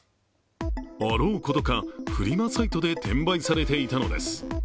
あろうことかフリマサイトで転売されていたのです。